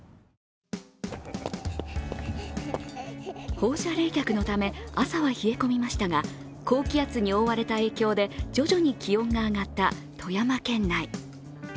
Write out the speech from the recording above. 放射冷却のため朝は冷え込みましたが高気圧に覆われた影響で徐々に気温が上がった富山県内。